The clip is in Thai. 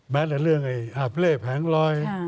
แม้ในเรื่องอาบเล่แผงลอย